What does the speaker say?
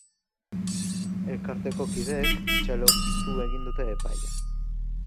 Elkarteko kideek txalotu egin dute epaia.